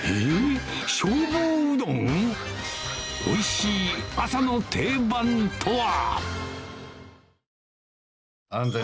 おいしい朝の定番とは？